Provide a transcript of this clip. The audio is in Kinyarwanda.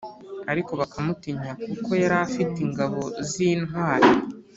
ariko bakamutinya, kuko yari afite ingabo z'intwali;